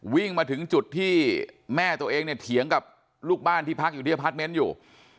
วิ่งมาถึงจุดที่แม่ตัวเองเนี่ยเถียงกับลูกบ้านที่พักอยู่ที่อพาร์ทเมนต์อยู่